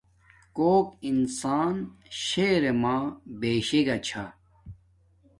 کوک انسان شہرما بیشا گا چھا